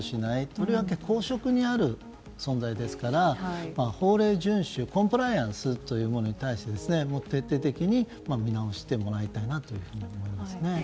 とりわけ公職にある存在ですから法令順守、コンプライアンスというものに対して徹底的に見直してもらいたいなと思います。